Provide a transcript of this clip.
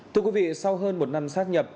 thưa quý vị sau hơn một năm sát nhập